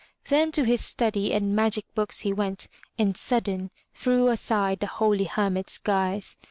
Then to his study and magic books he went and sudden threw aside the holy Hermit's guise.